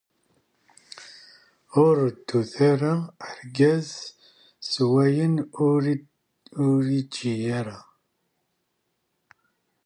Ur reddut ara argaz s wayen ur igi ara.